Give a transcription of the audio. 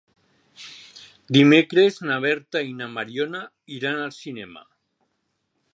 Dimecres na Berta i na Mariona iran al cinema.